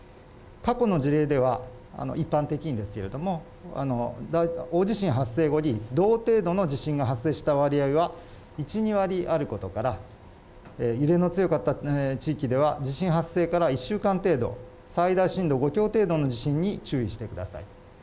過去の事例では、一般的にですけれども、大地震発生後に同程度の地震が発生した割合は１、２割あることから、揺れの強かった地域では地震発生から１週間程度、最大震度５強程度の地震に注意してください。